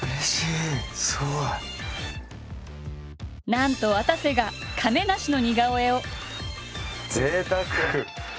なんとわたせが亀梨の似顔絵を。